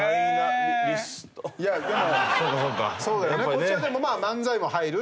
こっちはでも漫才も入る。